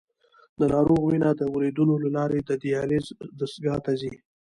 د ناروغ وینه د وریدونو له لارې د دیالیز دستګاه ته ځي.